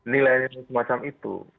nilainya semacam itu